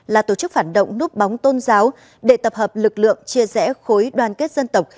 là tổ chức phản động núp bóng tôn giáo để tập hợp lực lượng chia rẽ khối đoàn kết dân tộc